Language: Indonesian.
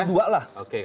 kali dua lah